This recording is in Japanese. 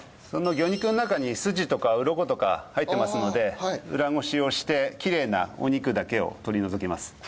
その魚肉の中に筋とかうろことか入ってますので裏ごしをしてきれいなお肉だけを取り除きます。